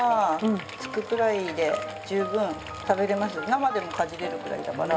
生でもかじれるぐらいだから。